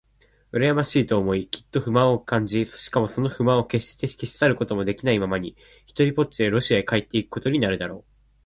うらやましいと思い、きっと不満を感じ、しかもその不満をけっして消し去ることもできないままに、ひとりぽっちでロシアへ帰っていくことになるだろう。